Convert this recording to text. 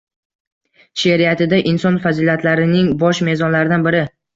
She’riyatida inson fazilatlarining bosh mezonlaridan biri.